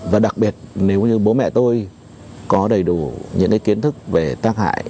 và đặc biệt nếu như bố mẹ tôi có đầy đủ những kiến thức về tác hại